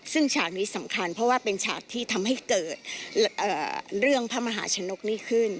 ซึ่งฉากนี้สำคัญเพราะว่าเป็นฉากที่ทำให้เกิดเรื่องพระมหาชนกนี่ขึ้น